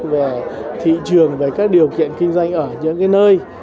về thị trường về các điều kiện kinh doanh ở những nơi